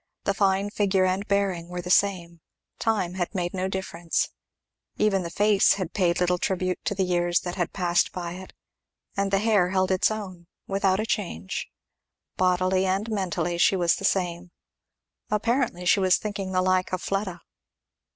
The fine figure and bearing were the same; time had made no difference; even the face had paid little tribute to the years that had passed by it; and the hair held its own without a change. Bodily and mentally she was the same. Apparently she was thinking the like of Fleda.